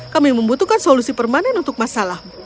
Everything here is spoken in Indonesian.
kami membutuhkan solusi permanen untuk masalahmu